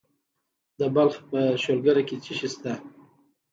د بلخ په شولګره کې څه شی شته؟